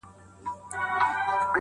زه به دا توري سترګي چیري بدلومه!.